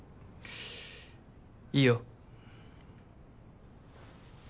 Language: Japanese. いいよ。